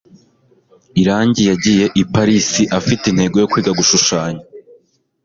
irangi yagiye i paris afite intego yo kwiga gushushanya